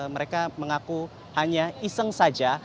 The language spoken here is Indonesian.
mereka mengaku hanya iseng saja